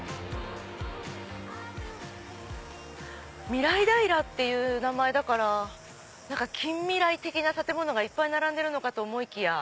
みらい平っていう名前だから近未来的な建物がいっぱい並んでるのかと思いきや。